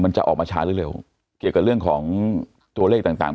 จะออกมาช้าหรือเร็วเกี่ยวกับเรื่องของตัวเลขต่างต่าง